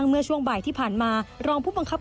มาจี้ดากกันตั้งแต่เส้นใหญ่